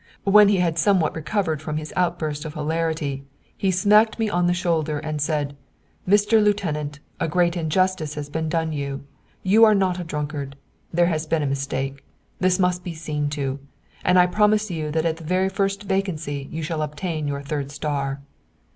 When he had somewhat recovered from his outburst of hilarity, he smacked me on the shoulder, and said: 'Mr. Lieutenant, a great injustice has been done you. You are not a drunkard. There has been a mistake. This must be seen to. And I promise you that at the very first vacancy you shall obtain your third star.'"